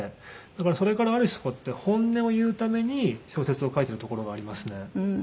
だからそれからある種こうやって本音を言うために小説を書いてるところがありますね。